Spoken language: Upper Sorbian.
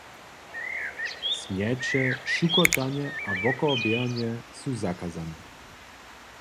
Smjeće, šukotanje a wokołoběhanje su zakazane.